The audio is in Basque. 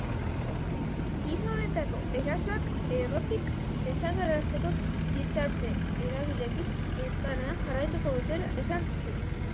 Gisa honetako erasoak errotik desagerrarazteko gizarte eragileekin elkarlanean jarraituko dutela esan du.